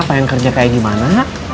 pengen kerja kayak gimana